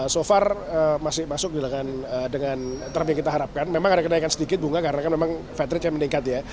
so far masih masuk dengan term yang kita harapkan memang ada kenaikan sedikit bunga karena kan memang fat rate yang meningkat ya